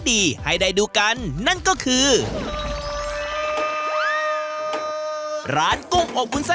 อีจริง